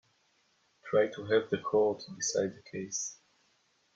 Try to have the court decide the case.